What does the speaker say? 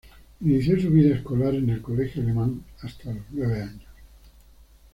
Inició su vida escolar en el Colegio Alemán hasta los nueve años.